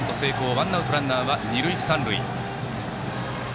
ワンアウト、ランナーは二塁三塁。